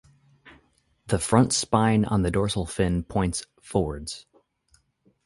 The front spine on the dorsal fin points forwards.